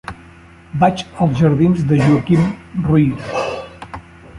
Vaig als jardins de Joaquim Ruyra.